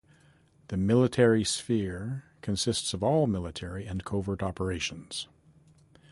The Military sphere consists of all military and covert operations.